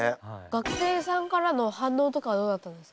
学生さんからの反応とかはどうだったんですか？